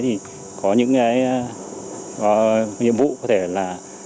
thì có những cái nhiệm vụ có thể là